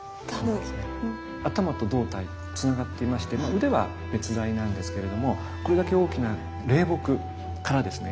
頭と胴体つながっていまして腕は別材なんですけれどもこれだけ大きな霊木からですね